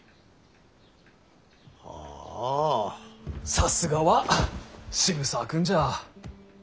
さすがは渋沢君じゃ。